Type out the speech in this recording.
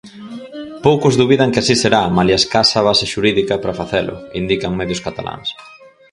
Poucos dubidan que así será malia escasa base xurídica para facelo, indican medios cataláns.